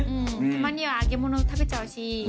たまには揚げ物食べちゃうし。